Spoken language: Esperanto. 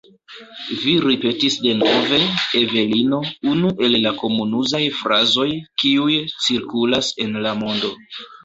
Vi ripetis denove, Evelino, unu el la komunuzaj frazoj, kiuj cirkulas en la mondo.